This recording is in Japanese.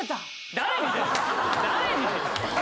誰に？